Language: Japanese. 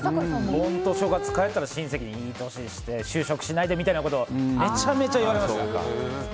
お正月、帰ったら親戚にいい年して就職しないでみたいなことめちゃめちゃ言われました。